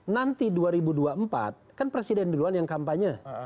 nanti dua ribu dua puluh empat kan presiden duluan yang kampanye